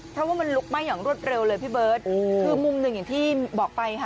เพราะว่ามันลุกไหม้อย่างรวดเร็วเลยพี่เบิร์ตคือมุมหนึ่งอย่างที่บอกไปค่ะ